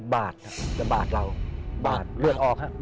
บาดครับจะบาดเราบาดเลือดออกครับ